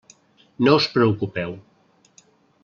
No us preocupeu.